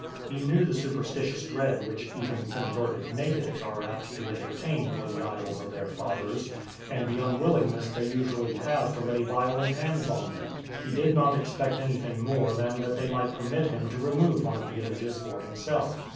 He knew the superstitious dread which even converted natives are apt to entertain for the idols of their fathers, and the unwillingness they usually have to lay violent hands on them. He did not expect anything more than that they might permit him to remove one of the images for himself.